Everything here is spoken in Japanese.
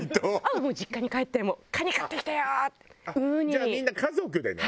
じゃあみんな家族でね？